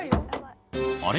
あれ？